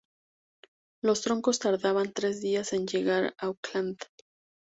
Los troncos tardaban tres días en llegar a Auckland.